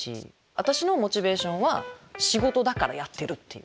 私のモチベーションは仕事だからやってるっていう。